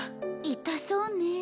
痛そうねぇ。